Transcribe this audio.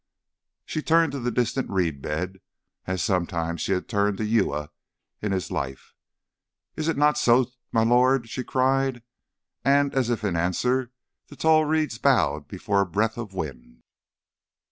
She turned to the distant reed bed, as sometimes she had turned to Uya in his life. "Is it not so, my lord?" she cried. And, as if in answer, the tall reeds bowed before a breath of wind.